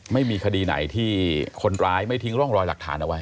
ไม่มีคดีไหนที่คนร้ายไม่ทิ้งร่องรอยหลักฐานเอาไว้